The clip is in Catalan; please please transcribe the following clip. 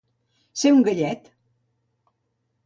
Ser un gallet.